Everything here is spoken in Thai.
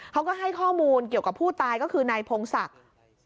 เขาก็ให้ข้อมูลเกี่ยวกับผู้ตายก็คือนายพงศักดิ์